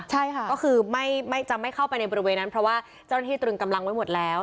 ใช่ค่ะก็คือไม่จะไม่เข้าไปในบริเวณนั้นเพราะว่าเจ้าหน้าที่ตรึงกำลังไว้หมดแล้ว